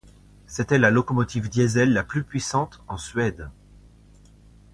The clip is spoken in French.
C'est la locomotive diesel la plus puissante en Suède.